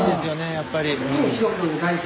やっぱり。